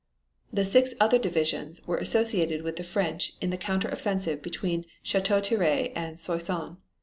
The six other divisions were associated with the French in the counter offensive between Chateau Thierry and Soissons.